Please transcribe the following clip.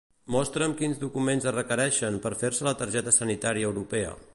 Mostra'm quins documents es requereixen per fer-se la targeta sanitària europea.